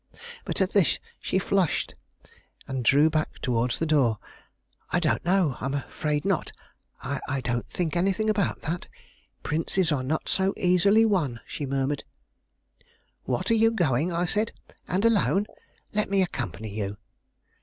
But at this she flushed, and drew back towards the door. "I don't know; I am afraid not. I I don't think anything about that. Princes are not so easily won," she murmured. "What! are you going?" I said, "and alone? Let me accompany you."